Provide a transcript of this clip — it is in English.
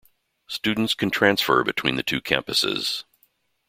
Students can transfer between the two campuses.